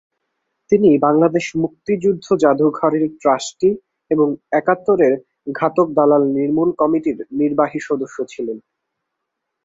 তিনি বাংলাদেশ মুক্তিযুদ্ধ জাদুঘরের ট্রাস্টি এবং একাত্তরের ঘাতক দালাল নির্মূল কমিটির নির্বাহী সদস্য ছিলেন।